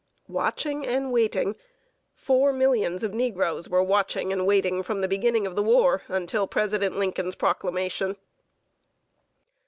Watching and waiting! Four millions of negroes were watching and waiting from the beginning of the war until President Lincoln's Proclamation.